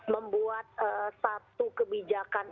membuat satu kebijakan